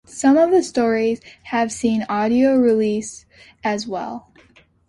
Some of the stories have seen audio release as well.